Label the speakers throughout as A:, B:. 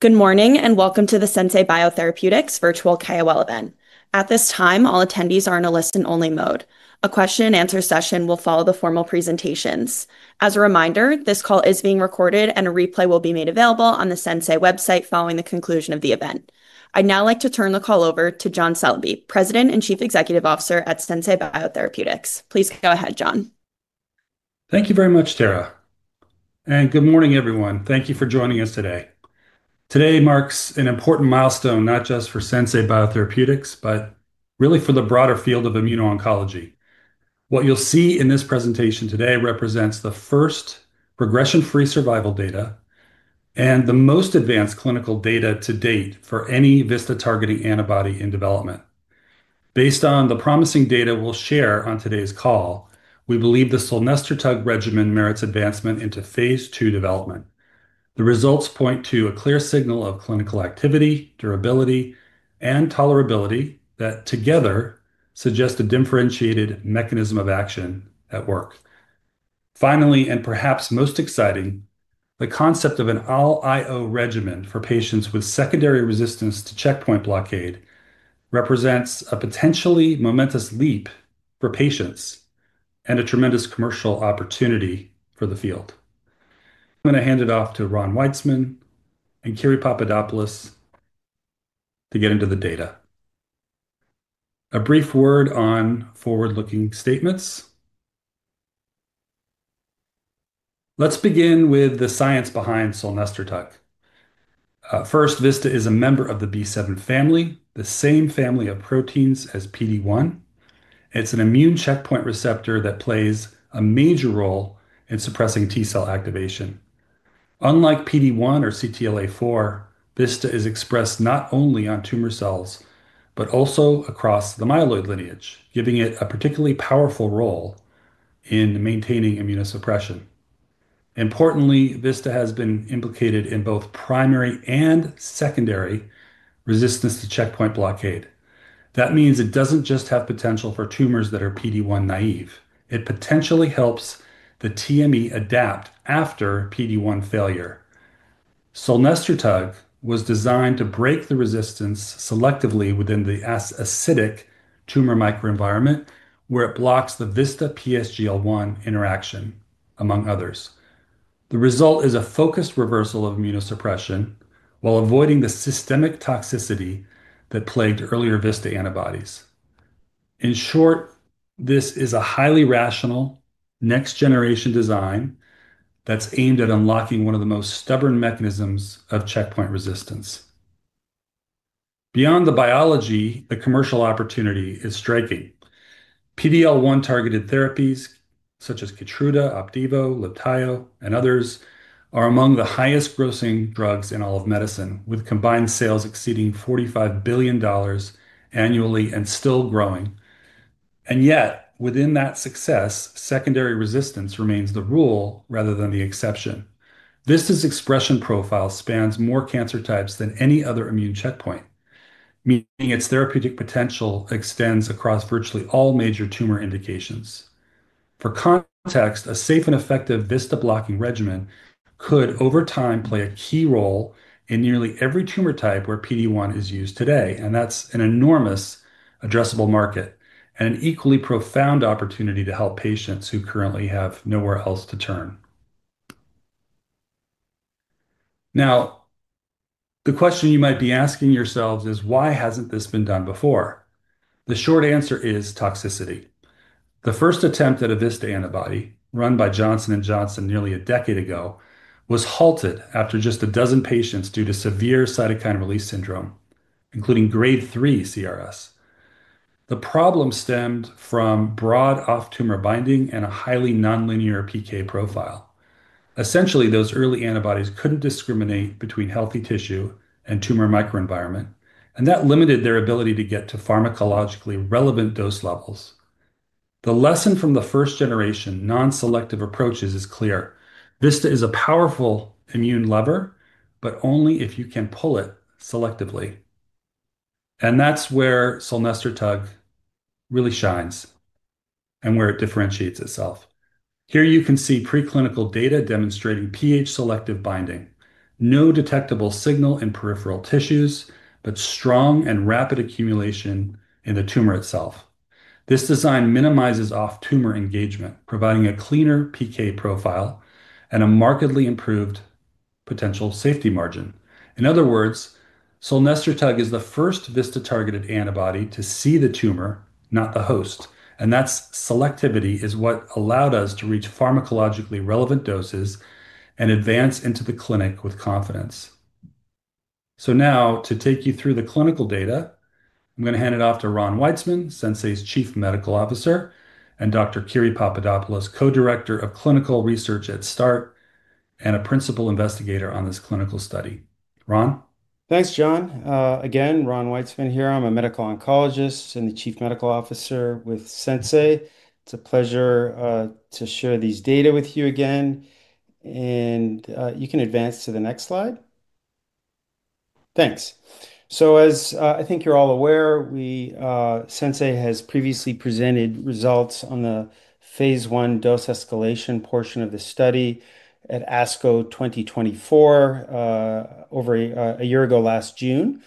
A: Good morning and welcome to the Sensei Biotherapeutics virtual KOL event. At this time, all attendees are in a listen-only mode. A question-and-answer session will follow the formal presentations. As a reminder, this call is being recorded and a replay will be made available on the Sensei website following the conclusion of the event. I'd now like to turn the call over to John Celebi, President and Chief Executive Officer at Sensei Biotherapeutics. Please go ahead, John.
B: Thank you very much, Tara, and good morning everyone. Thank you for joining us today. Today marks an important milestone, not just for Sensei Biotherapeutics, but really for the broader field of immuno-oncology. What you'll see in this presentation today represents the first progression-free survival data and the most advanced clinical data to date for any VISTA-targeting antibody in development. Based on the promising data we'll share on today's call, we believe the Solnestretug regimen merits advancement into phase II development. The results point to a clear signal of clinical activity, durability, and tolerability that together suggest a differentiated mechanism of action at work. Finally, and perhaps most exciting, the concept of an all-IO doublet regimen for patients with secondary resistance to checkpoint blockade represents a potentially momentous leap for patients and a tremendous commercial opportunity for the field. I'm going to hand it off to Ron Weitzman and Dr. Kyriakos Papadopoulos to get into the data. A brief word on forward-looking statements. Let's begin with the science behind Solnestretug. First, VISTA is a member of the B7 family, the same family of proteins as PD1. It's an immune checkpoint receptor that plays a major role in suppressing T cell activation. Unlike PD1 or CTLA4, VISTA is expressed not only on tumor cells but also across the myeloid lineage, giving it a particularly powerful role in maintaining immunosuppression. Importantly, VISTA has been implicated in both primary and secondary resistance to checkpoint blockade. That means it doesn't just have potential for tumors that are PD1-naive; it potentially helps the tumor microenvironment adapt after PD1 failure. Solnestretug was designed to break the resistance selectively within the acidic tumor microenvironment, where it blocks the VISTA-PSGL1 interaction, among others. The result is a focused reversal of immunosuppression while avoiding the systemic toxicity that plagued earlier VISTA antibodies. In short, this is a highly rational next-generation design that's aimed at unlocking one of the most stubborn mechanisms of checkpoint resistance. Beyond the biology, the commercial opportunity is striking. PD1-targeted therapies, such as Keytruda, Opdivo, Libtayo, and others, are among the highest-grossing drugs in all of medicine, with combined sales exceeding $45 billion annually and still growing. Yet, within that success, secondary resistance remains the rule rather than the exception. VISTA's expression profile spans more cancer types than any other immune checkpoint, meaning its therapeutic potential extends across virtually all major tumor indications. For context, a safe and effective VISTA-blocking regimen could, over time, play a key role in nearly every tumor type where PD1 is used today, and that's an enormous addressable market and an equally profound opportunity to help patients who currently have nowhere else to turn. The question you might be asking yourselves is, why hasn't this been done before? The short answer is toxicity. The first attempt at a VISTA antibody, run by Johnson & Johnson nearly a decade ago, was halted after just a dozen patients due to severe cytokine release syndrome, including grade 3 CRS. The problem stemmed from broad off-tumor binding and a highly nonlinear PK profile. Essentially, those early antibodies couldn't discriminate between healthy tissue and tumor microenvironment, and that limited their ability to get to pharmacologically relevant dose levels. The lesson from the first-generation non-selective approaches is clear: VISTA is a powerful immune lever, but only if you can pull it selectively. That is where Solnestretug really shines and where it differentiates itself. Here you can see preclinical data demonstrating pH-selective binding, no detectable signal in peripheral tissues, but strong and rapid accumulation in the tumor itself. This design minimizes off-tumor engagement, providing a cleaner PK profile and a markedly improved potential safety margin. In other words, Solnestretug is the first VISTA-targeted antibody to see the tumor, not the host, and that selectivity is what allowed us to reach pharmacologically relevant doses and advance into the clinic with confidence. To take you through the clinical data, I'm going to hand it off to Ron Weitzman, Sensei's Chief Medical Officer, and Dr. Kyriakos Papadopoulos, Co-Director of Clinical Research at START and a Principal Investigator on this clinical study. Ron?
C: Thanks, John. Again, Ron Weitzman here. I'm a medical oncologist and the Chief Medical Officer with Sensei. It's a pleasure to share these data with you again, and you can advance to the next slide. Thanks. As I think you're all aware, Sensei has previously presented results on the phase I dose escalation portion of the study at ASCO 2024, over a year ago last June.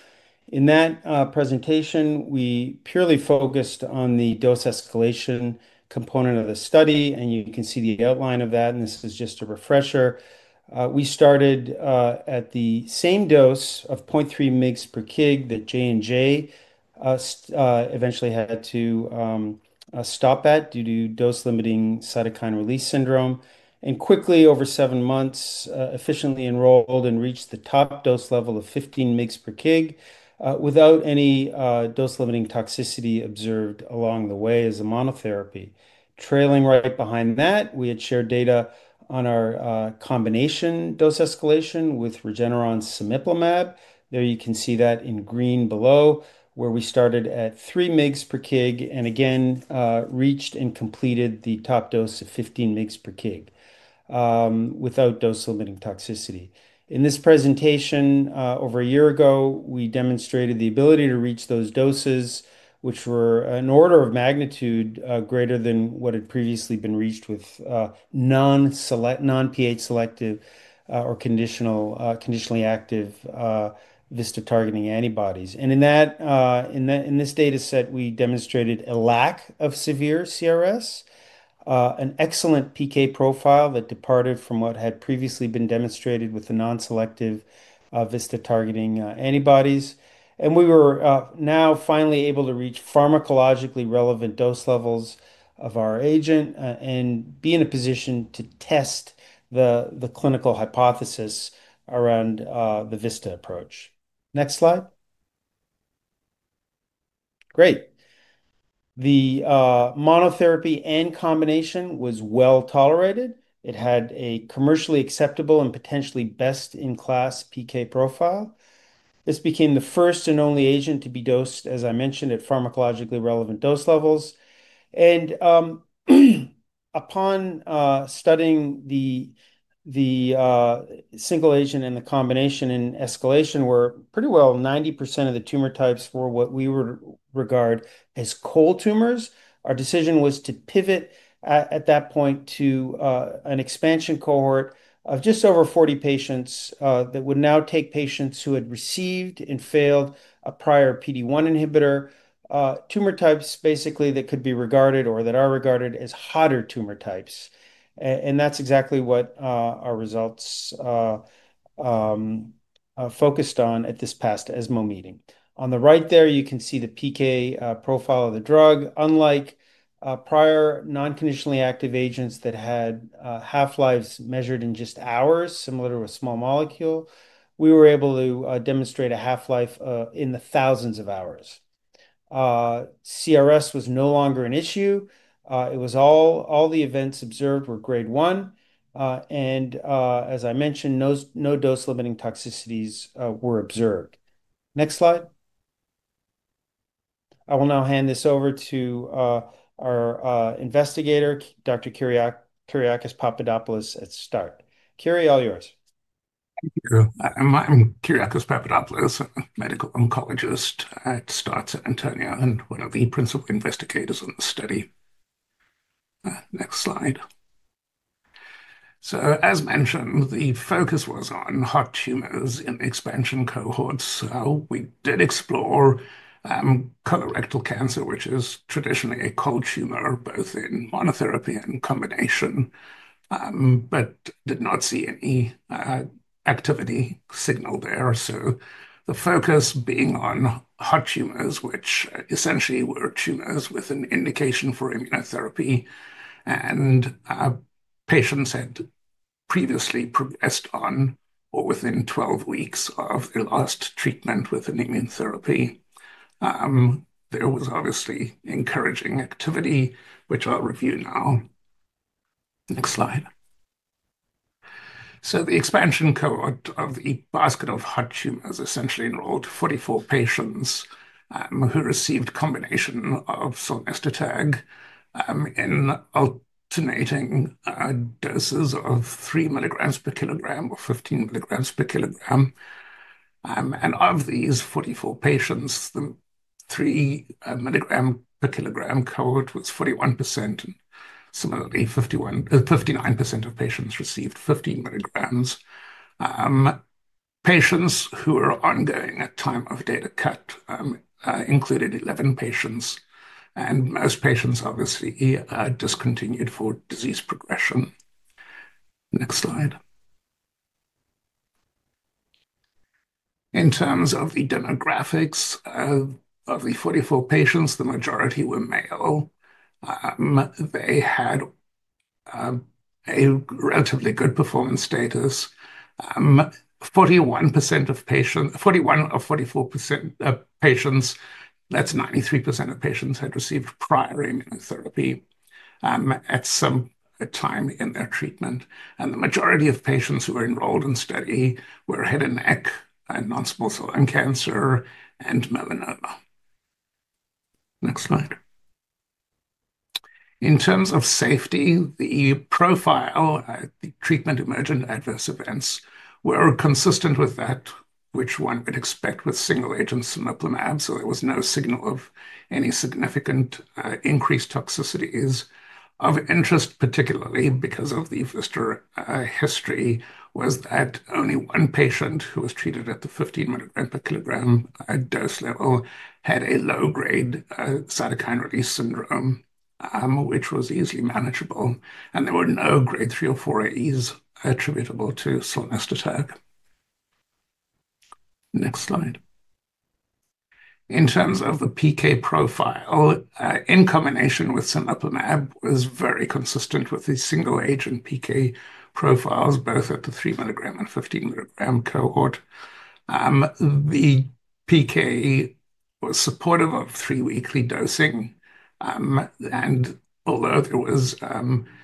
C: In that presentation, we purely focused on the dose escalation component of the study, and you can see the outline of that, and this is just a refresher. We started at the same dose of 0.3 mg/kg that J&J eventually had to stop at due to dose-limiting cytokine release syndrome, and quickly, over seven months, efficiently enrolled and reached the top dose level of 15 mg/kg without any dose-limiting toxicity observed along the way as a monotherapy. Trailing right behind that, we had shared data on our combination dose escalation with Regeneron cemiplimab. There you can see that in green below, where we started at 3 mg/kg and again reached and completed the top dose of 15 mg/kg without dose-limiting toxicity. In this presentation, over a year ago, we demonstrated the ability to reach those doses, which were an order of magnitude greater than what had previously been reached with non-pH-selective or conditionally active VISTA-targeting antibodies. In this dataset, we demonstrated a lack of severe cytokine release syndrome, an excellent PK profile that departed from what had previously been demonstrated with the non-selective VISTA-targeting antibodies, and we were now finally able to reach pharmacologically relevant dose levels of our agent and be in a position to test the clinical hypothesis around the VISTA approach. Next slide. Great. The monotherapy and combination was well tolerated. It had a commercially acceptable and potentially best-in-class PK profile. This became the first and only agent to be dosed, as I mentioned, at pharmacologically relevant dose levels. Upon studying the single agent and the combination in escalation, where pretty well 90% of the tumor types were what we would regard as cold tumors, our decision was to pivot at that point to an expansion cohort of just over 40 patients that would now take patients who had received and failed a prior PD1 inhibitor, tumor types basically that could be regarded or that are regarded as hotter tumor types. That's exactly what our results focused on at this past ESMO meeting. On the right there, you can see the PK profile of the drug. Unlike prior non-conditionally active agents that had half-lives measured in just hours, similar to a small molecule, we were able to demonstrate a half-life in the thousands of hours. Cytokine release syndrome was no longer an issue. All the events observed were grade one, and as I mentioned, no dose-limiting toxicities were observed. Next slide. I will now hand this over to our investigator, Dr. Kyriakos Papadopoulos at START. Kyri, all yours.
D: Thank you. I'm Kyriakos Papadopoulos, a Medical Oncologist at START, San Antonio, and one of the Principal Investigators in the study. Next slide. As mentioned, the focus was on hot tumors in expansion cohorts. We did explore colorectal cancer, which is traditionally a cold tumor, both in monotherapy and combination, but did not see any activity signal there. The focus being on hot tumors, which essentially were tumors with an indication for immunotherapy, and patients had previously progressed on or within 12 weeks of their last treatment with an immunotherapy. There was obviously encouraging activity, which I'll review now. Next slide. The expansion cohort of the basket of hot tumors essentially enrolled 44 patients who received a combination of Solnestretug in alternating doses of 3 mg/kg or 15 mg/kg. Of these 44 patients, the 3 mg/kg cohort was 41%, and similarly, 59% of patients received 15 mg. Patients who were ongoing at the time of data cut included 11 patients, and most patients discontinued for disease progression. Next slide. In terms of the demographics of the 44 patients, the majority were male. They had a relatively good performance status. 41 of 44 patients, that's 93% of patients, had received prior immunotherapy at some time in their treatment. The majority of patients who were enrolled in the study were head and neck and non-small cell lung cancer and melanoma. Next slide. In terms of safety, the profile at the treatment emergent adverse events were consistent with that which one would expect with single-agent cemiplimab, so there was no signal of any significant increased toxicities. Of interest, particularly because of the VISTA history, was that only one patient who was treated at the 15 mg/kg dose level had a low-grade cytokine release syndrome, which was easily manageable, and there were no grade 3 or 4 AEs attributable to Solnestretug. Next slide. In terms of the PK profile, in combination with cemiplimab, was very consistent with the single-agent PK profiles, both at the 3 mg and 15 mg cohort. The PK was supportive of three-weekly dosing, and although there was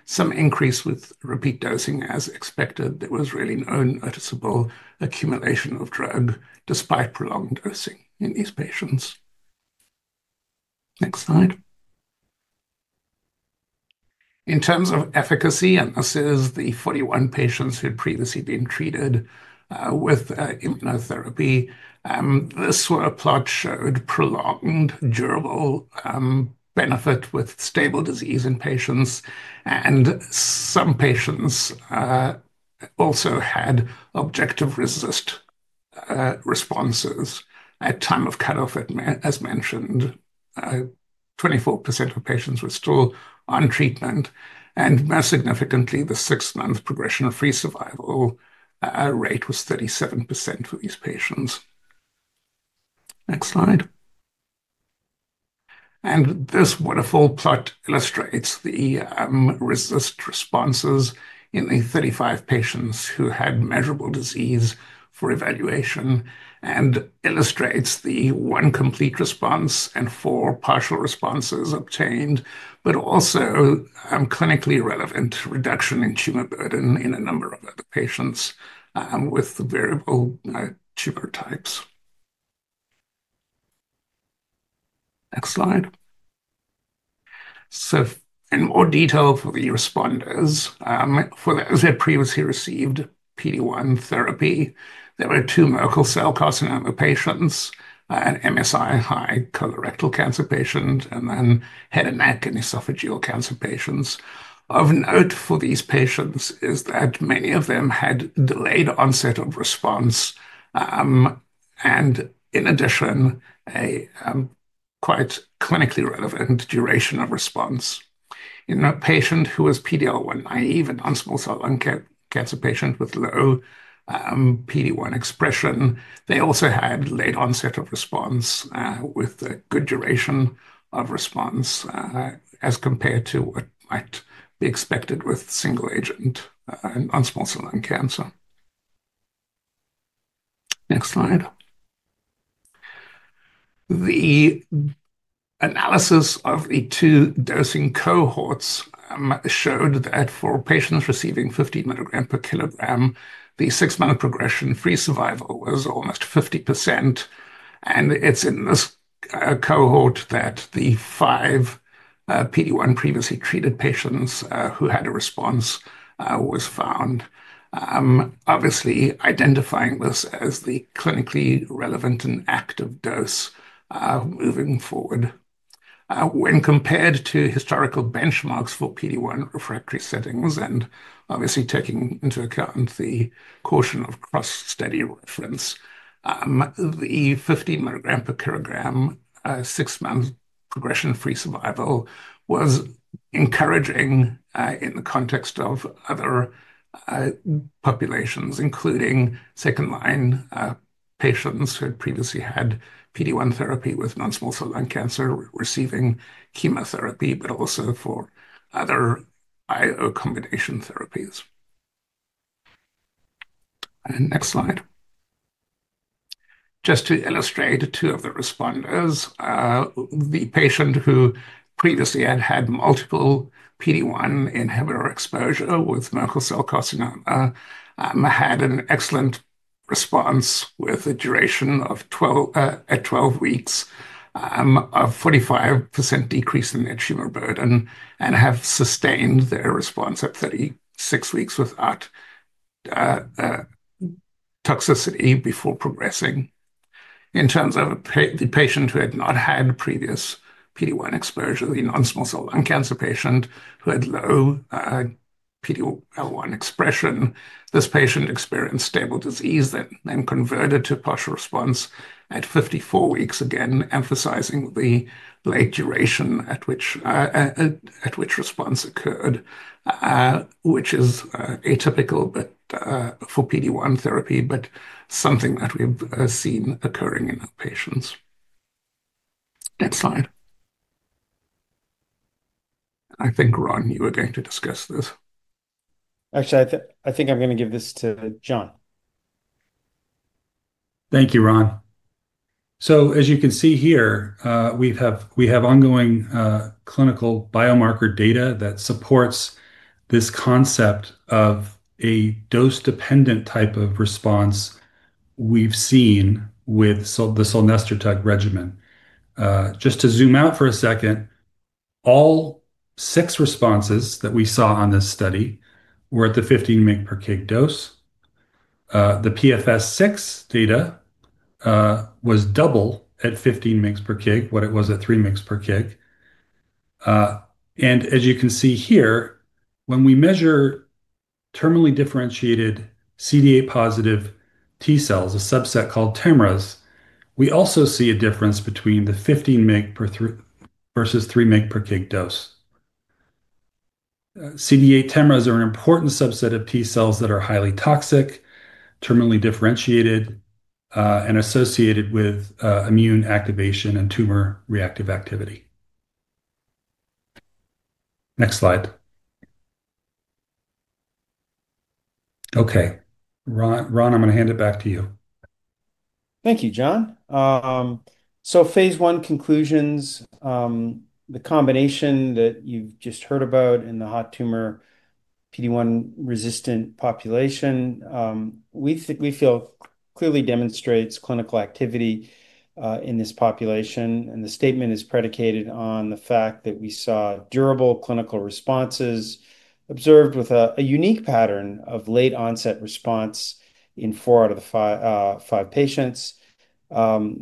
D: some increase with repeat dosing as expected, there was really no noticeable accumulation of drug despite prolonged dosing in these patients. Next slide. In terms of efficacy, and this is the 41 patients who had previously been treated with immunotherapy, this plot showed prolonged durable benefit with stable disease in patients, and some patients also had objective RECIST responses at the time of cutoff, as mentioned. 24% of patients were still on treatment, and most significantly, the six-month progression-free survival rate was 37% for these patients. Next slide. This waterfall plot illustrates the RECIST responses in the 35 patients who had measurable disease for evaluation and illustrates the one complete response and four partial responses obtained, but also clinically relevant reduction in tumor burden in a number of other patients with the variable tumor types. Next slide. In more detail for the respondents, for those that previously received PD1 therapy, there were two Merkel cell carcinoma patients, an MSI-high colorectal cancer patient, and then head and neck and esophageal cancer patients. Of note for these patients is that many of them had delayed onset of response and, in addition, a quite clinically relevant duration of response. In a patient who was PD-L1 naive and non-small cell lung cancer patient with low PD1 expression, they also had late onset of response with a good duration of response as compared to what might be expected with single-agent and non-small cell lung cancer. Next slide. The analysis of the two dosing cohorts showed that for patients receiving 15 mg/kg, the six-month progression-free survival was almost 50%, and it's in this cohort that the five PD1 previously treated patients who had a response was found. Obviously, identifying this as the clinically relevant and active dose moving forward. When compared to historical benchmarks for PD1 refractory settings, and obviously taking into account the caution of cross-study reference, the 15 mg/kg six-month progression-free survival was encouraging in the context of other populations, including second-line patients who had previously had PD1 therapy with non-small cell lung cancer receiving chemotherapy, but also for other IO combination therapies. Next slide. Just to illustrate two of the respondents, the patient who previously had had multiple PD1 inhibitor exposure with Merkel cell carcinoma had an excellent response with a duration of 12 weeks of 45% decrease in their tumor burden and have sustained their response at 36 weeks without toxicity before progressing. In terms of the patient who had not had previous PD1 exposure, the non-small cell lung cancer patient who had low PDL1 expression, this patient experienced stable disease and then converted to partial response at 54 weeks, again emphasizing the late duration at which response occurred, which is atypical for PD1 therapy, but something that we've seen occurring in our patients. Next slide. I think, Ron, you were going to discuss this.
C: Actually, I think I'm going to give this to John.
B: Thank you, Ron. As you can see here, we have ongoing clinical biomarker data that supports this concept of a dose-dependent type of response we've seen with the Solnestretug regimen. Just to zoom out for a second, all six responses that we saw on this study were at the 15 mg/kg dose. The PFS6 data was double at 15 mg/kg what it was at 3 mg/kg. As you can see here, when we measure terminally differentiated CD8-positive T cells, a subset called TMRAs, we also see a difference between the 15 mg versus 3 mg/kg dose. CD8 TMRAs are an important subset of T cells that are highly toxic, terminally differentiated, and associated with immune activation and tumor reactive activity. Next slide. Okay. Ron, I'm going to hand it back to you. Thank you, John. Phase I conclusions, the combination that you've just heard about in the hot tumor PD1-resistant population, we feel clearly demonstrates clinical activity in this population, and the statement is predicated on the fact that we saw durable clinical responses observed with a unique pattern of late-onset response in four out of the five patients.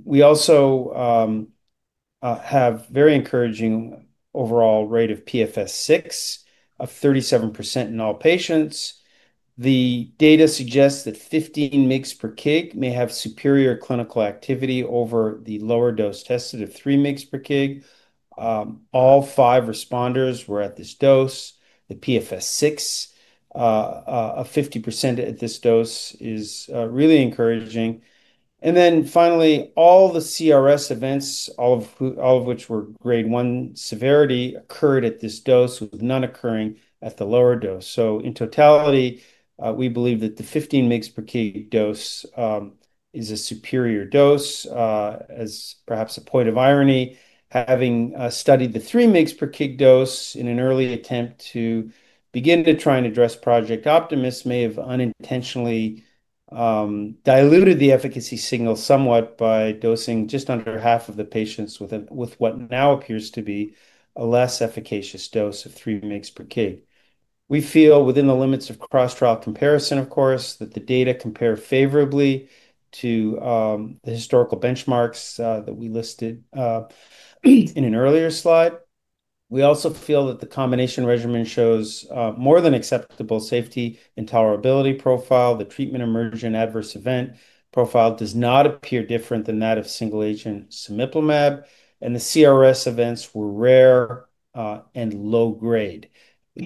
B: We also have a very encouraging overall rate of PFS6 of 37% in all patients. The data suggests that 15 mg/kg may have superior clinical activity over the lower dose tested of 3 mg/kg. All five responders were at this dose. The PFS6 of 50% at this dose is really encouraging. All the CRS events, all of which were grade 1 severity, occurred at this dose, with none occurring at the lower dose. In totality, we believe that the 15 mg/kg dose is a superior dose. As perhaps a point of irony, having studied the 3 mg/kg dose in an early attempt to begin to try and address Project Optimist may have unintentionally diluted the efficacy signal somewhat by dosing just under half of the patients with what now appears to be a less efficacious dose of 3 mg/kg. We feel, within the limits of cross-trial comparison, of course, that the data compare favorably to the historical benchmarks that we listed in an earlier slide. We also feel that the combination regimen shows more than acceptable safety and tolerability profile. The treatment emergent adverse event profile does not appear different than that of single-agent cemiplimab, and the CRS events were rare and low grade.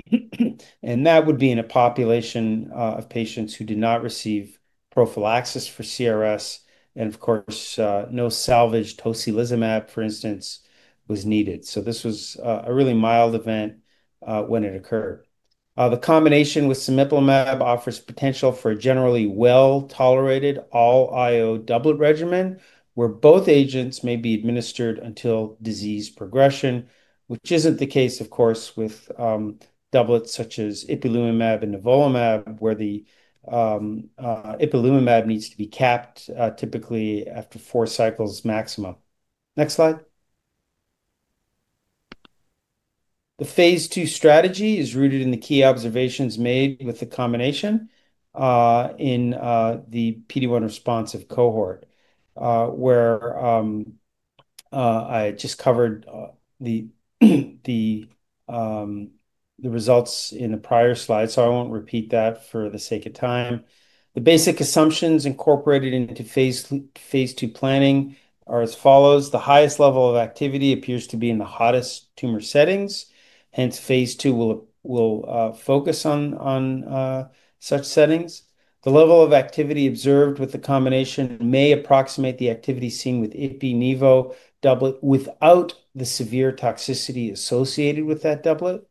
B: That would be in a population of patients who did not receive prophylaxis for CRS, and of course, no salvaged tocilizumab, for instance, was needed. This was a really mild event when it occurred. The combination with cemiplimab offers potential for a generally well-tolerated all-IO doublet regimen, where both agents may be administered until disease progression, which isn't the case, of course, with doublets such as ipilimumab and nivolumab, where the ipilimumab needs to be capped typically after four cycles maximum. Next slide. The phase II strategy is rooted in the key observations made with the combination in the PD1-responsive cohort, where I just covered the results in the prior slide, so I won't repeat that for the sake of time. The basic assumptions incorporated into phase II planning are as follows: the highest level of activity appears to be in the hottest tumor settings, hence phase II will focus on such settings. The level of activity observed with the combination may approximate the activity seen with IPI/NIVO doublet without the severe toxicity associated with that doublet.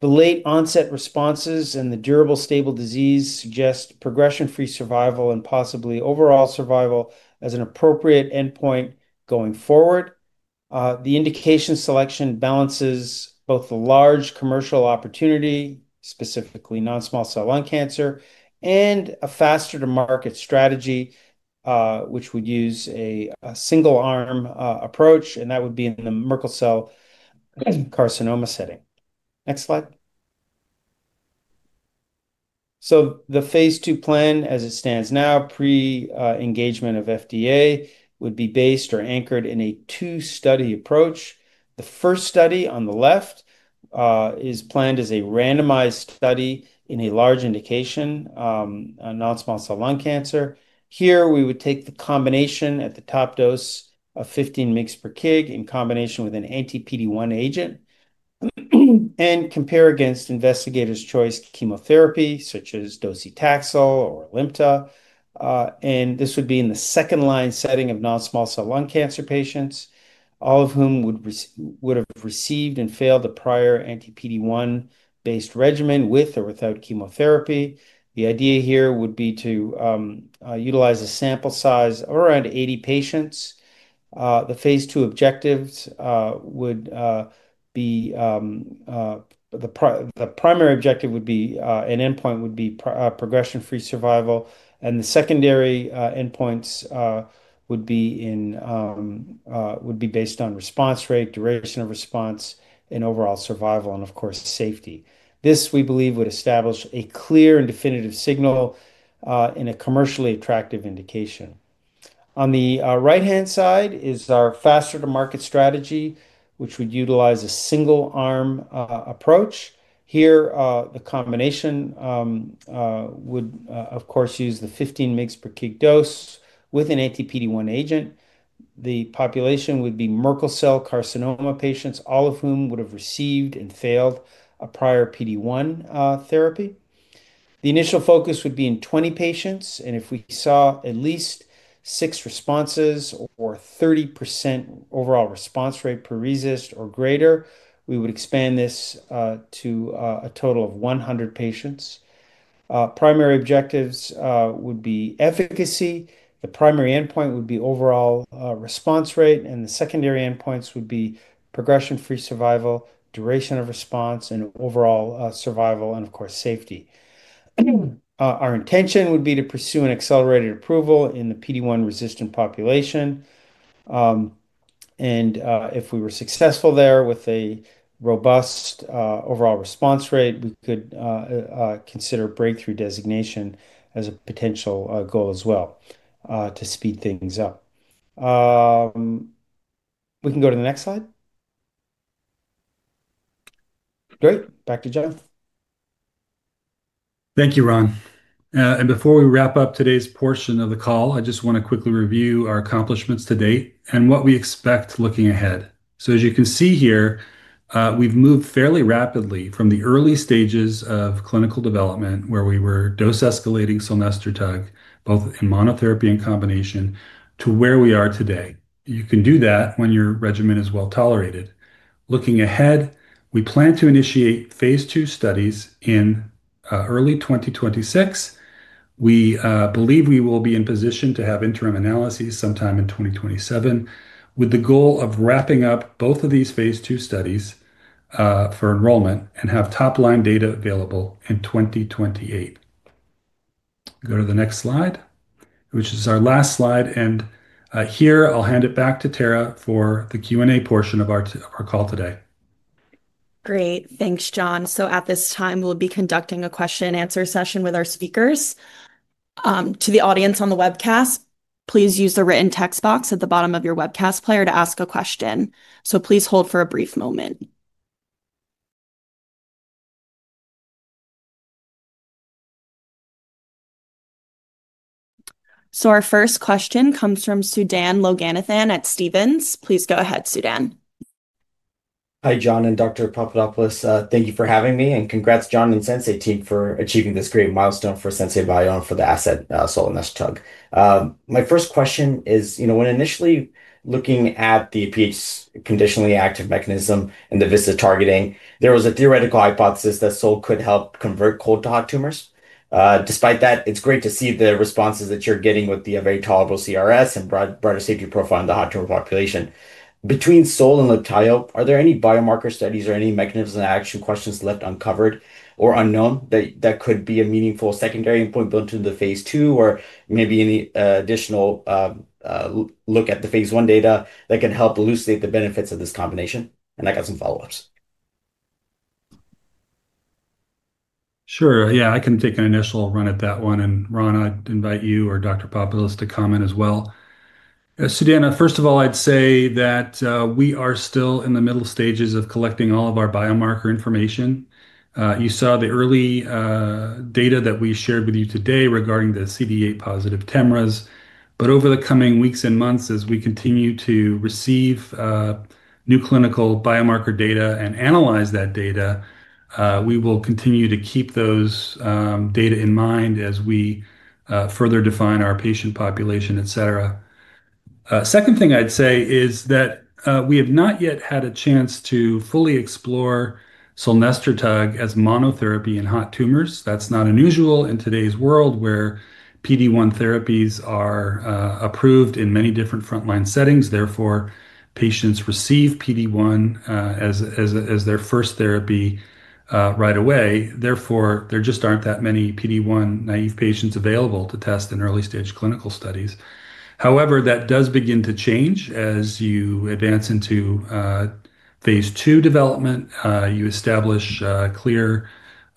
B: The late-onset responses and the durable stable disease suggest progression-free survival and possibly overall survival as an appropriate endpoint going forward. The indication selection balances both the large commercial opportunity, specifically non-small cell lung cancer, and a faster-to-market strategy, which would use a single-arm approach, and that would be in the Merkel cell carcinoma setting. Next slide. The phase II plan, as it stands now, pre-engagement of FDA, would be based or anchored in a two-study approach. The first study on the left is planned as a randomized study in a large indication of non-small cell lung cancer. Here, we would take the combination at the top dose of 15 mg/kg in combination with an anti-PD1 agent and compare against investigator's choice chemotherapy, such as docetaxel or alimta. This would be in the second-line setting of non-small cell lung cancer patients, all of whom would have received and failed a prior anti-PD1-based regimen with or without chemotherapy. The idea here would be to utilize a sample size of around 80 patients. The phase II objectives would be the primary objective would be an endpoint would be progression-free survival, and the secondary endpoints would be based on response rate, duration of response, and overall survival, and of course, safety. This, we believe, would establish a clear and definitive signal in a commercially attractive indication. On the right-hand side is our faster-to-market strategy, which would utilize a single-arm approach. Here, the combination would, of course, use the 15 mg/kg dose with an anti-PD1 agent. The population would be Merkel cell carcinoma patients, all of whom would have received and failed a prior PD1 therapy. The initial focus would be in 20 patients, and if we saw at least six responses or 30% overall response rate per resist or greater, we would expand this to a total of 100 patients. Primary objectives would be efficacy. The primary endpoint would be overall response rate, and the secondary endpoints would be progression-free survival, duration of response, and overall survival, and of course, safety. Our intention would be to pursue an accelerated approval in the PD1-resistant population, and if we were successful there with a robust overall response rate, we could consider breakthrough designation as a potential goal as well to speed things up. We can go to the next slide. Great, back to John. Thank you, Ron. Before we wrap up today's portion of the call, I just want to quickly review our accomplishments to date and what we expect looking ahead. As you can see here, we've moved fairly rapidly from the early stages of clinical development, where we were dose-escalating Solnestretug, both in monotherapy and combination, to where we are today. You can do that when your regimen is well tolerated. Looking ahead, we plan to initiate phase II studies in early 2026. We believe we will be in position to have interim analyses sometime in 2027, with the goal of wrapping up both of these phase II studies for enrollment and have top-line data available in 2028. Go to the next slide, which is our last slide. Here, I'll hand it back to Tara for the Q&A portion of our call today.
A: Great. Thanks, John. At this time, we'll be conducting a question-and-answer session with our speakers. To the audience on the webcast, please use the written text box at the bottom of your webcast player to ask a question. Please hold for a brief moment. Our first question comes from Sudan Loganathan at Stephens. Please go ahead, Sudan.
E: Hi, John and Dr. Papadopoulos. Thank you for having me, and congrats, John and Sensei team, for achieving this great milestone for Sensei Bio and for the asset Solnestretug. My first question is, you know, when initially looking at the pH-conditionally active mechanism and the VISTA targeting, there was a theoretical hypothesis that Solnestretug could help convert cold to hot tumors. Despite that, it's great to see the responses that you're getting with the very tolerable cytokine release syndrome and broader safety profile in the hot tumor population. Between Solnestretug and cemiplimab, are there any biomarker studies or any mechanisms of action questions left uncovered or unknown that could be a meaningful secondary endpoint built into the phase II, or maybe any additional look at the phase I data that can help elucidate the benefits of this combination? I got some follow-ups.
B: Sure. Yeah, I can take an initial run at that one, and Ron, I'd invite you or Dr. Papadopoulos to comment as well. Sudan, first of all, I'd say that we are still in the middle stages of collecting all of our biomarker information. You saw the early data that we shared with you today regarding the CD8-positive TMRAs, but over the coming weeks and months, as we continue to receive new clinical biomarker data and analyze that data, we will continue to keep those data in mind as we further define our patient population, etc. The second thing I'd say is that we have not yet had a chance to fully explore Solnestretug as monotherapy in hot tumors. That's not unusual in today's world where PD1 therapies are approved in many different front-line settings. Therefore, patients receive PD1 as their first therapy right away. Therefore, there just aren't that many PD1 naive patients available to test in early-stage clinical studies. However, that does begin to change as you advance into phase II development. You establish clear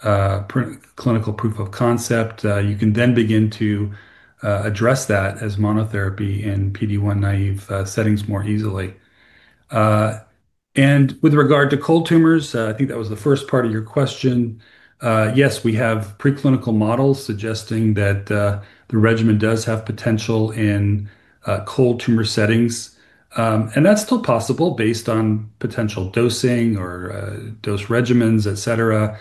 B: clinical proof of concept. You can then begin to address that as monotherapy in PD1 naive settings more easily. With regard to cold tumors, I think that was the first part of your question. Yes, we have preclinical models suggesting that the regimen does have potential in cold tumor settings, and that's still possible based on potential dosing or dose regimens, etc.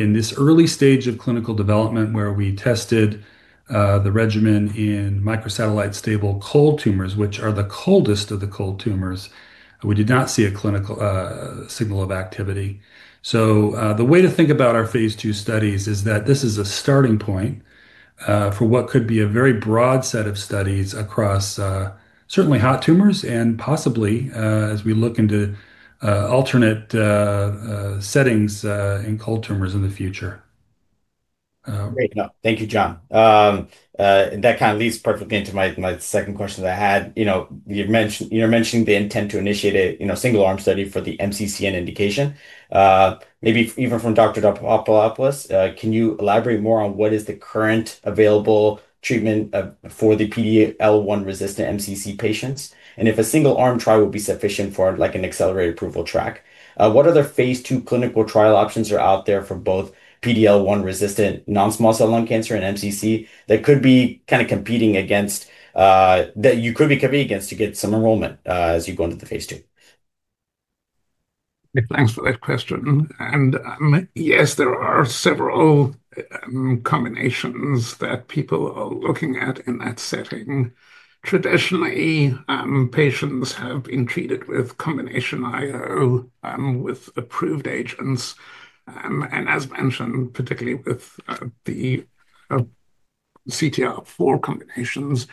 B: In this early stage of clinical development where we tested the regimen in microsatellite stable cold tumors, which are the coldest of the cold tumors, we did not see a clinical signal of activity. The way to think about our phase II studies is that this is a starting point for what could be a very broad set of studies across certainly hot tumors and possibly, as we look into alternate settings in cold tumors in the future.
E: Great job. Thank you, John. That kind of leads perfectly into my second question that I had. You're mentioning the intent to initiate a single-arm study for the MCCN indication. Maybe even from Dr. Papadopoulos, can you elaborate more on what is the current available treatment for the PD1-resistant MCC patients? If a single-arm trial would be sufficient for like an accelerated approval track, what other phase II clinical trial options are out there for both PD1-resistant non-small cell lung cancer and MCC that could be kind of competing against, that you could be competing against to get some enrollment as you go into the phase II?
D: Thanks for that question. Yes, there are several combinations that people are looking at in that setting. Traditionally, patients have been treated with combination IO with approved agents, and as mentioned, particularly with the CTR4 combinations.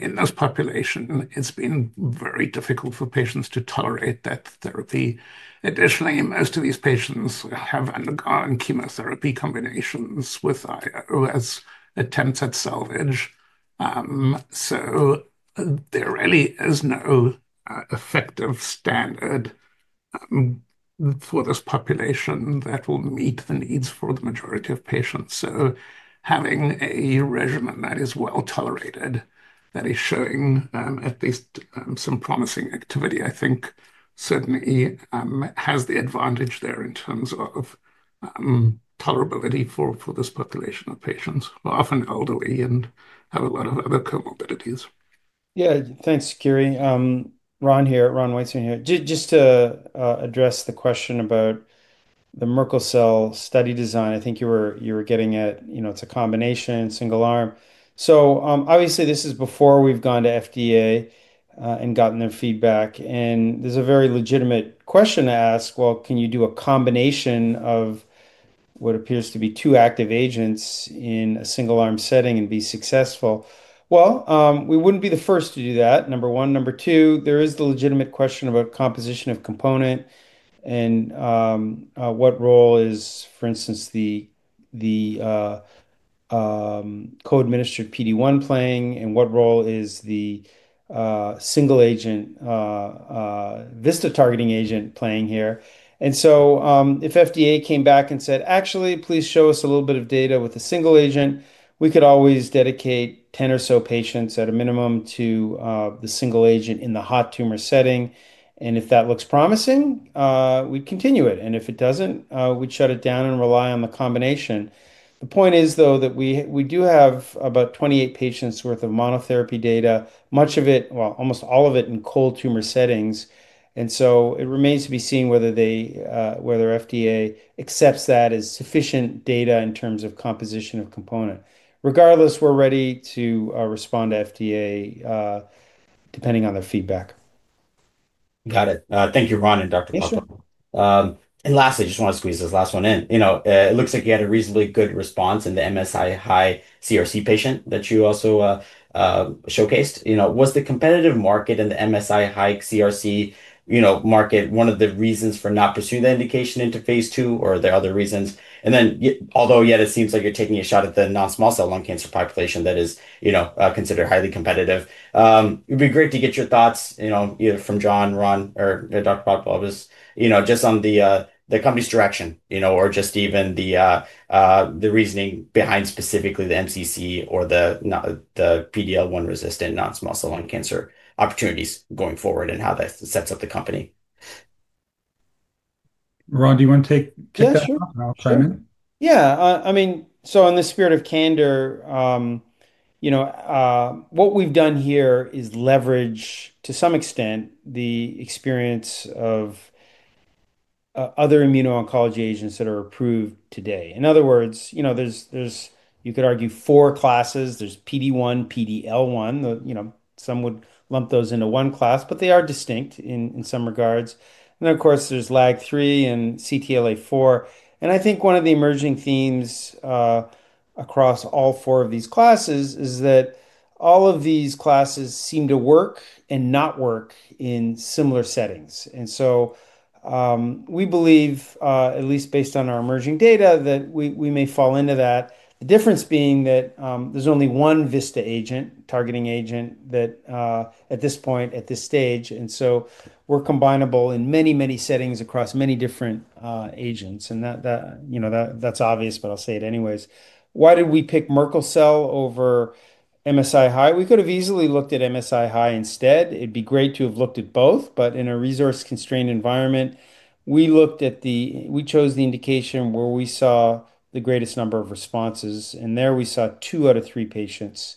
D: In this population, it's been very difficult for patients to tolerate that therapy. Additionally, most of these patients have undergone chemotherapy combinations with IO as attempts at salvage. There really is no effective standard for this population that will meet the needs for the majority of patients. Having a regimen that is well tolerated, that is showing at least some promising activity, I think certainly has the advantage there in terms of tolerability for this population of patients who are often elderly and have a lot of other comorbidities.
C: Yeah, thanks, Kyri. Ron here, Ron Weitzman here. Just to address the question about the Merkel cell study design, I think you were getting at, you know, it's a combination single-arm. Obviously, this is before we've gone to FDA and gotten their feedback, and there's a very legitimate question to ask. Can you do a combination of what appears to be two active agents in a single-arm setting and be successful? We wouldn't be the first to do that, number one. Number two, there is the legitimate question about composition of component and what role is, for instance, the co-administered PD1 playing and what role is the single agent VISTA targeting agent playing here. If FDA came back and said, "Actually, please show us a little bit of data with a single agent," we could always dedicate 10 or so patients at a minimum to the single agent in the hot tumor setting, and if that looks promising, we'd continue it. If it doesn't, we'd shut it down and rely on the combination. The point is, though, that we do have about 28 patients' worth of monotherapy data, much of it, well, almost all of it in cold tumor settings, and it remains to be seen whether FDA accepts that as sufficient data in terms of composition of component. Regardless, we're ready to respond to FDA depending on their feedback.
E: Got it. Thank you, Ron and Dr. Papadopoulos. Lastly, I just want to squeeze this last one in. It looks like you had a reasonably good response in the MSI-high CRC patient that you also showcased. Was the competitive market in the MSI-high CRC market one of the reasons for not pursuing the indication into phase II, or are there other reasons? Although it seems like you're taking a shot at the non-small cell lung cancer population that is considered highly competitive, it would be great to get your thoughts, either from John, Ron, or Dr. Papadopoulos, just on the company's direction, or even the reasoning behind specifically the Merkel cell carcinoma or the PD1-resistant non-small cell lung cancer opportunities going forward and how that sets up the company.
B: Ron, do you want to take that?
C: Yeah, sure.
B: I'll chime in.
C: Yeah. I mean, in the spirit of candor, what we've done here is leverage, to some extent, the experience of other immuno-oncology agents that are approved today. In other words, there's, you could argue, four classes. There's PD1, PDL1. Some would lump those into one class, but they are distinct in some regards. Of course, there's LAG3 and CTLA4. I think one of the emerging themes across all four of these classes is that all of these classes seem to work and not work in similar settings. We believe, at least based on our emerging data, that we may fall into that, the difference being that there's only one VISTA agent targeting agent at this point, at this stage, and we're combinable in many, many settings across many different agents. That's obvious, but I'll say it anyways. Why did we pick Merkel cell over MSI-high? We could have easily looked at MSI-high instead. It'd be great to have looked at both, but in a resource-constrained environment, we looked at the, we chose the indication where we saw the greatest number of responses, and there we saw two out of three patients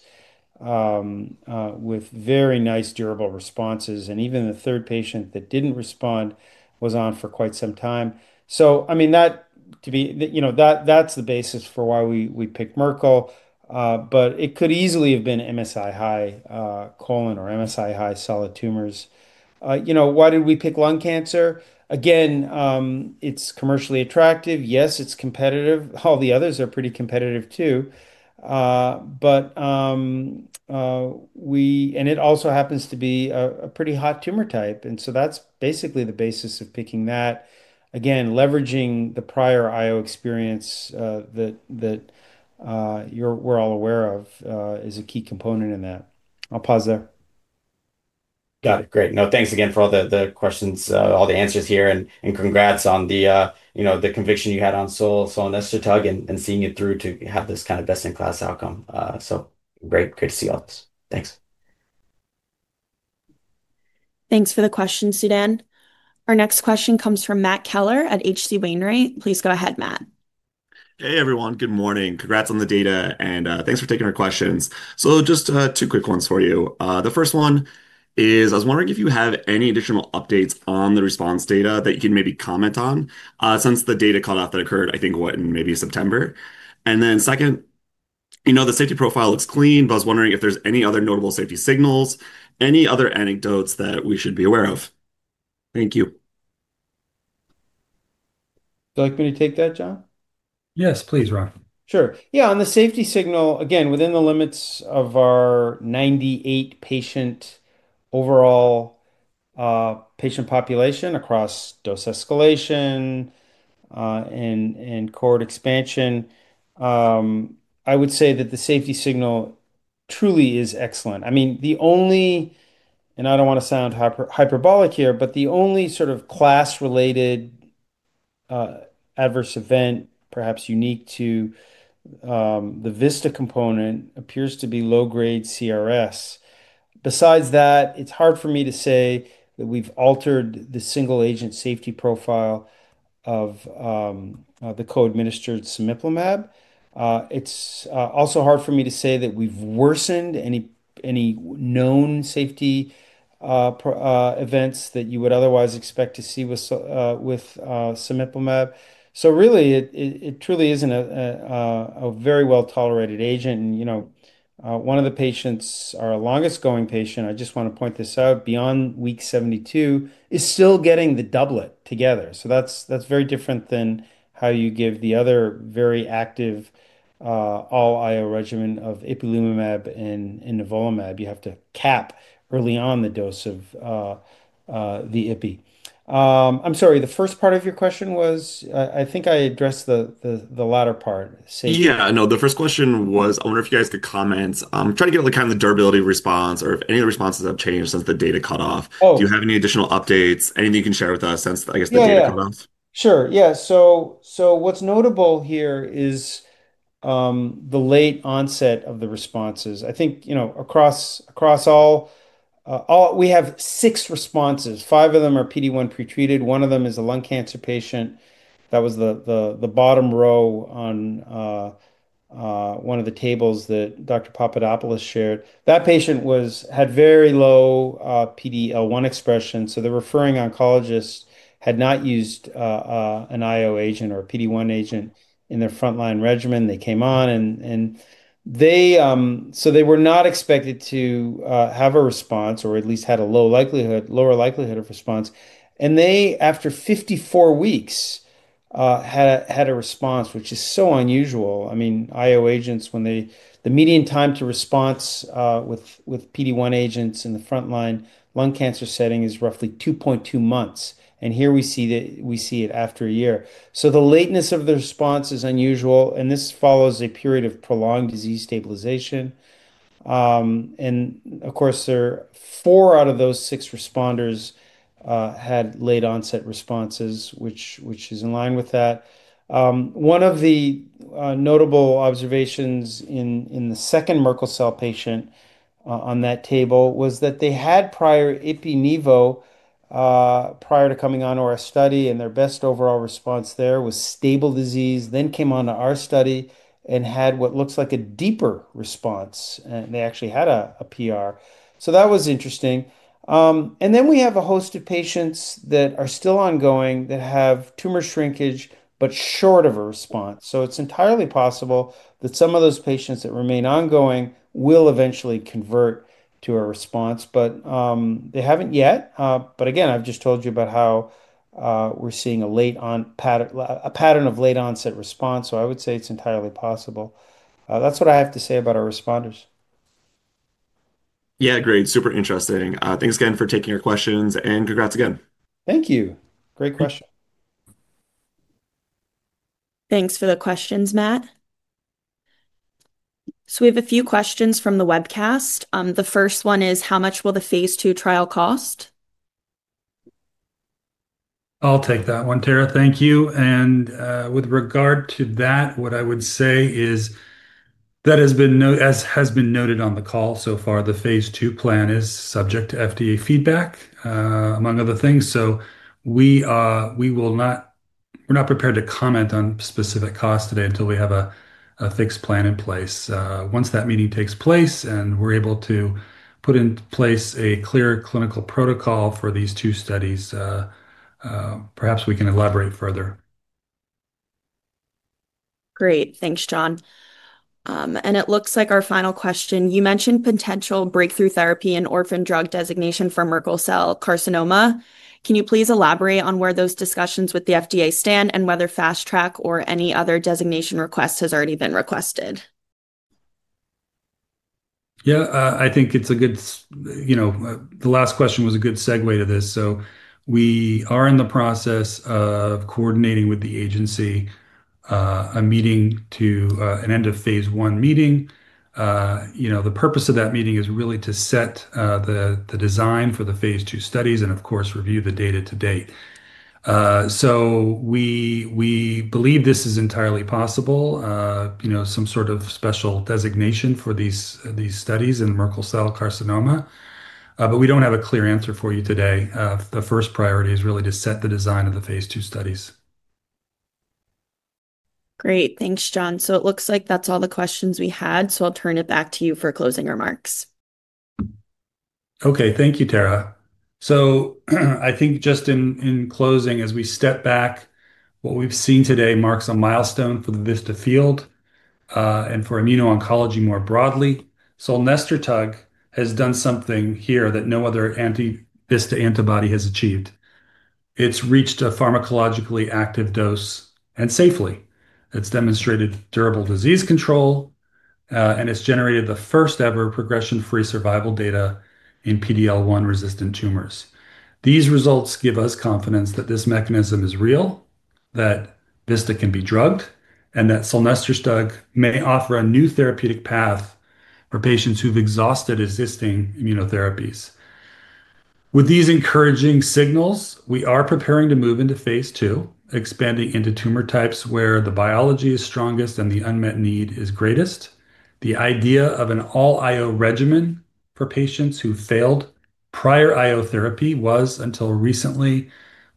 C: with very nice durable responses, and even the third patient that didn't respond was on for quite some time. That, to be, that's the basis for why we picked Merkel, but it could easily have been MSI-high colon or MSI-high solid tumors. Why did we pick lung cancer? Again, it's commercially attractive. Yes, it's competitive. All the others are pretty competitive too, and it also happens to be a pretty hot tumor type, so that's basically the basis of picking that. Again, leveraging the prior IO experience that we're all aware of is a key component in that. I'll pause there.
E: Got it. Thanks again for all the questions, all the answers here, and congrats on the conviction you had on Solnestretug and seeing it through to have this kind of best-in-class outcome. Great to see all this. Thanks.
A: Thanks for the question, Sudan. Our next question comes from Matt Keller at H.C. Wainwright. Please go ahead, Matt.
F: Hey, everyone. Good morning. Congrats on the data, and thanks for taking our questions. Just two quick ones for you. The first one is, I was wondering if you have any additional updates on the response data that you can maybe comment on since the data cutoff that occurred, I think, in maybe September? The safety profile looks clean, but I was wondering if there's any other notable safety signals, any other anecdotes that we should be aware of? Thank you.
C: Would you like me to take that, John?
B: Yes, please, Ron.
C: Sure. Yeah, on the safety signal, again, within the limits of our 98-patient overall patient population across dose escalation and cohort expansion, I would say that the safety signal truly is excellent. I mean, the only, and I don't want to sound hyperbolic here, but the only sort of class-related adverse event, perhaps unique to the VISTA component, appears to be low-grade cytokine release syndrome. Besides that, it's hard for me to say that we've altered the single-agent safety profile of the co-administered cemiplimab. It's also hard for me to say that we've worsened any known safety events that you would otherwise expect to see with cemiplimab. It truly is a very well-tolerated agent, and you know, one of the patients, our longest-going patient, I just want to point this out, beyond week 72, is still getting the doublet together. That's very different than how you give the other very active all-IO doublet regimen of ipilimumab and nivolumab. You have to cap early on the dose of the IPI. I'm sorry, the first part of your question was, I think I addressed the latter part, safety.
F: Yeah, no, the first question was, I wonder if you guys could comment. I'm trying to get kind of the durability of response or if any of the responses have changed since the data cutoff.
C: Oh.
F: Do you have any additional updates, anything you can share with us since the data cutoff?
C: Sure. Yeah, what's notable here is the late onset of the responses. I think, across all, we have six responses. Five of them are PD1 pretreated. One of them is a lung cancer patient. That was the bottom row on one of the tables that Dr. Papadopoulos shared. That patient had very low PDL1 expression, so the referring oncologist had not used an IO agent or a PD1 agent in their front-line regimen. They came on, and they were not expected to have a response or at least had a lower likelihood of response. They, after 54 weeks, had a response, which is so unusual. IO agents, when they, the median time to response with PD1 agents in the front-line lung cancer setting is roughly 2.2 months, and here we see it after a year. The lateness of the response is unusual, and this follows a period of prolonged disease stabilization. Of course, four out of those six responders had late-onset responses, which is in line with that. One of the notable observations in the second Merkel cell patient on that table was that they had prior ipi/nivo prior to coming on to our study, and their best overall response there was stable disease, then came on to our study and had what looks like a deeper response, and they actually had a PR. That was interesting. We have a host of patients that are still ongoing that have tumor shrinkage but short of a response. It's entirely possible that some of those patients that remain ongoing will eventually convert to a response, but they haven't yet. I've just told you about how we're seeing a pattern of late-onset response, so I would say it's entirely possible. That's what I have to say about our responders.
F: Yeah, great. Super interesting. Thanks again for taking our questions, and congrats again.
C: Thank you. Great question.
A: Thanks for the questions, Matt. We have a few questions from the webcast. The first one is, how much will the phase II trial cost?
B: I'll take that one, Tara. Thank you. With regard to that, what I would say is that, as has been noted on the call so far, the phase II plan is subject to FDA feedback, among other things. We are not prepared to comment on specific costs today until we have a fixed plan in place. Once that meeting takes place and we're able to put in place a clear clinical protocol for these two studies, perhaps we can elaborate further.
A: Great. Thanks, John. It looks like our final question. You mentioned potential breakthrough therapy and orphan drug designation for Merkel cell carcinoma. Can you please elaborate on where those discussions with the FDA stand and whether FastTrack or any other designation request has already been requested?
B: I think it's a good, you know, the last question was a good segue to this. We are in the process of coordinating with the agency a meeting to an end-of-phase I meeting. The purpose of that meeting is really to set the design for the phase II studies and, of course, review the data to date. We believe this is entirely possible, you know, some sort of special designation for these studies in Merkel cell carcinoma, but we don't have a clear answer for you today. The first priority is really to set the design of the phase II studies.
A: Great. Thanks, John. It looks like that's all the questions we had, so I'll turn it back to you for closing remarks.
B: Thank you, Tara. I think just in closing, as we step back, what we've seen today marks a milestone for the VISTA field and for immuno-oncology more broadly. Solnestretug has done something here that no other anti-VISTA antibody has achieved. It's reached a pharmacologically active dose and safely. It's demonstrated durable disease control, and it's generated the first-ever progression-free survival data in PD1-resistant tumors. These results give us confidence that this mechanism is real, that VISTA can be drugged, and that Solnestretug may offer a new therapeutic path for patients who've exhausted existing immunotherapies. With these encouraging signals, we are preparing to move into phase II, expanding into tumor types where the biology is strongest and the unmet need is greatest. The idea of an all-IO doublet regimen for patients who failed prior IO therapy was, until recently,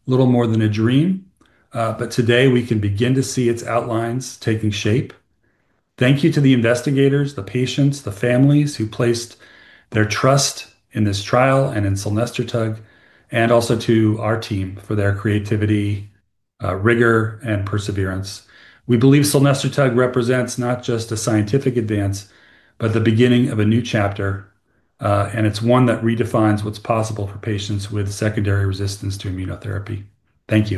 B: a little more than a dream, but today we can begin to see its outlines taking shape. Thank you to the investigators, the patients, the families who placed their trust in this trial and in Solnestretug, and also to our team for their creativity, rigor, and perseverance. We believe Solnestretug represents not just a scientific advance, but the beginning of a new chapter, and it's one that redefines what's possible for patients with secondary resistance to immunotherapy. Thank you.